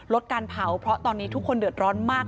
ลดการเผาเพราะตอนนี้ทุกคนเดือดร้อนมาก